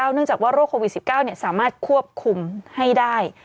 เนื่องจากว่าโรคโควิด๑๙สามารถควบคุมให้ได้